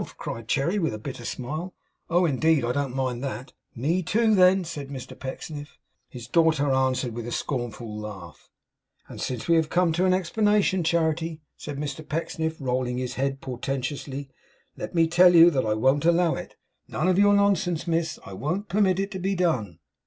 cried Cherry, with a bitter smile. 'Oh indeed! I don't mind that.' 'Me, too, then,' said Mr Pecksniff. His daughter answered with a scornful laugh. 'And since we have come to an explanation, Charity,' said Mr Pecksniff, rolling his head portentously, 'let me tell you that I won't allow it. None of your nonsense, Miss! I won't permit it to be done.